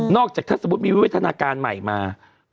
นอกจากถ้ามีวิวัฒนาการใหม่มา